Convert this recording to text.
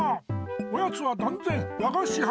おやつはだんぜんわがしは！